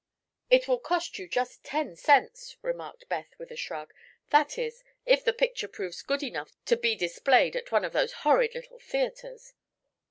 "It will cost you just ten cents," remarked Beth, with a shrug; "that is, if the picture proves good enough to be displayed at one of those horrid little theatres."